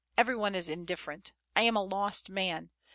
Every one is indifferent. I am a lost man.